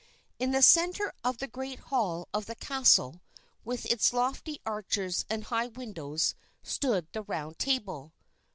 In the center of the great hall of the castle, with its lofty arches and high windows, stood the Round Table.